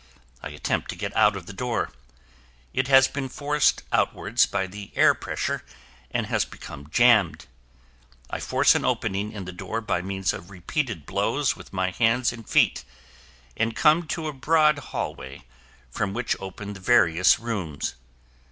I attempt to get out of the door. It has been forced outwards by the air pressure and has become jammed. I force an opening in the door by means of repeated blows with my hands and feet and come to a broad hallway from which open the various rooms.